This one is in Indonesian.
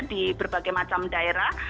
di berbagai macam daerah